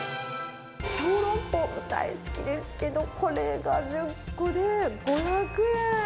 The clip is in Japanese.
小籠包、大好きですけど、これが１０個で５００円。